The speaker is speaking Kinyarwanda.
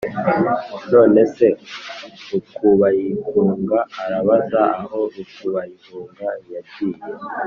none se rukubayihunga arabaza aho rukubayihunga yagiye?"